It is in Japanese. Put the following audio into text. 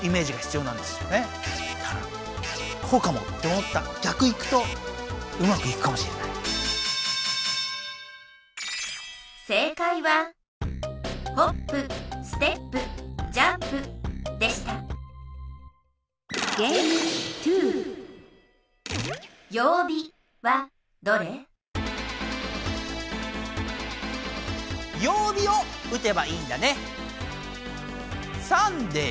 「曜日」を撃てばいいんだね。